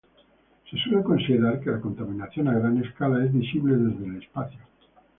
Se suele considerar que la contaminación a gran escala es visible desde el espacio.